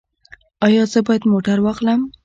ایا زه باید موټر واخلم؟